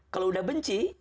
kalau sudah bencian